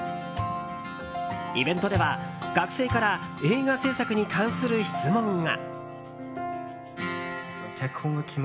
イベントでは学生から映画制作に関する質問が。